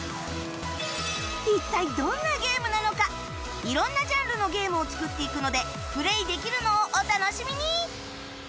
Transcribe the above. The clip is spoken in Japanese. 一体どんなゲームなのか色んなジャンルのゲームを作っていくのでプレーできるのをお楽しみに！